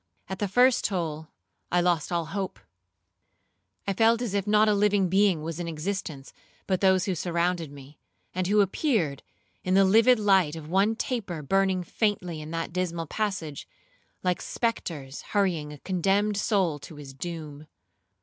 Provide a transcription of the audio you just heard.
At the first toll I lost all hope. I felt as if not a living being was in existence but those who surrounded me, and who appeared, in the livid light of one taper burning faintly in that dismal passage, like spectres hurrying a condemned soul to his doom.